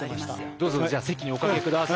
どうぞじゃあ席におかけ下さい。